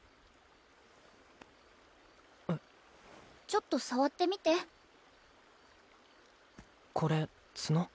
ちょっと触ってみてこれ角？